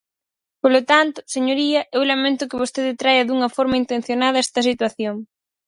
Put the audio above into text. Polo tanto, señoría, eu lamento que vostede traia dunha forma intencionada esta situación.